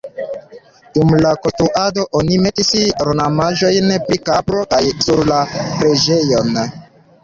Dum la konstruado oni metis ornamaĵojn pri kapro sur la preĝejon.